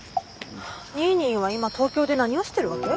ニーニーは今東京で何をしてるわけ？